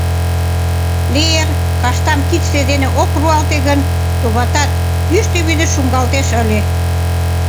Леер каштам кидше дене ок руалте гын, товатат, йӱштӧ вӱдыш шуҥгалтеш ыле.